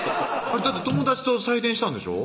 だって友達と採点したんでしょ？